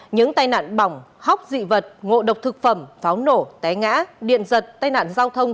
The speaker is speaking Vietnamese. những tai nạn bỏng hóc dị vật ngộ độc thực phẩm pháo nổ té ngã điện giật tai nạn giao thông